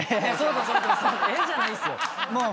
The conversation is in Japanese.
「えっ？」じゃないっすよ。